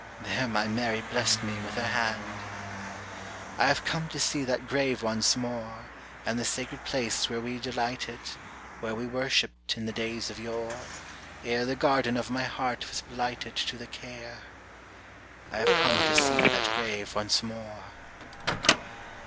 There my Mary blessed me with her hand. "I have come to see that grave once more, And the sacred place where we delighted, Where we worshipped, in the days of yore, Ere the garden of my heart was blighted To the care! I have come to see that grave once more.